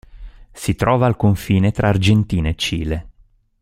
Si trova al confine tra Argentina e Cile.